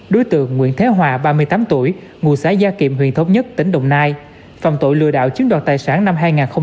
đối tượng nguyễn thế hòa ba mươi tám tuổi ngụ xã gia kiệm huyện thống nhất tỉnh đồng nai phạm tội lừa đạo chứng đoạt tài sản năm hai nghìn một mươi bốn